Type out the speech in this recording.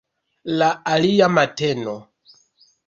La alia mateno.